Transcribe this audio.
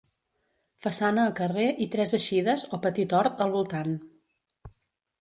Façana al carrer i tres eixides, o petit hort, al voltant.